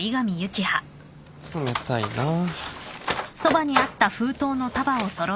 冷たいなあ。